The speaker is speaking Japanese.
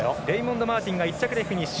レイモンド・マーティンが１着でフィニッシュ。